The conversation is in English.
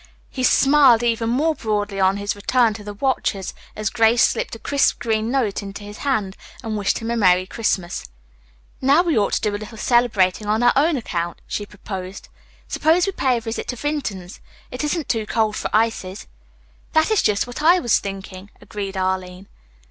He smiled even more broadly on his return to the watchers, as Grace slipped a crisp green note into his hand and wished him a Merry Christmas. "Now we ought to do a little celebrating on our own account," she proposed. "Suppose we pay a visit to Vinton's. It isn't too cold for ices." "That is just what I was thinking," agreed Arline.